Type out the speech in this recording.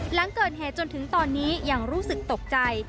หลังเกิดเหตุจนถึงตอนนี้ยังรู้สึกตกใจ